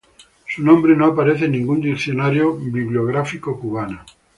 Su nombre no aparece en ningún diccionario bibliográfico cubano.